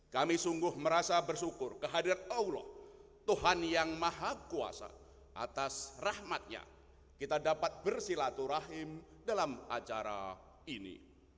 kami sungguh merasa bersyukur kehadirat allah tuhan yang maha kuasa atas rahmatnya kita dapat bersilaturahim dalam acara ini